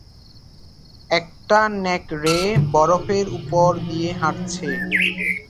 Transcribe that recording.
একটা নেকড়ে বরফের উপর দিয়ে হাঁটছে।